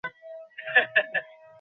সান্থানাম আছে, ওই আমাকে নিরাপত্তা দিবে।